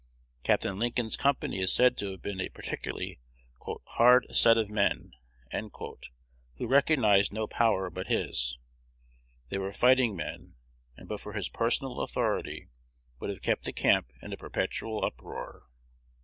Capt. Lincoln's company is said to have been a particularly "hard set of men," who recognized no power but his. They were fighting men, and but for his personal authority would have kept the camp in a perpetual uproar.